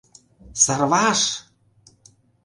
Сарваш!